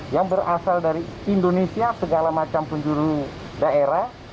yang berasal dari indonesia segala macam penjuru daerah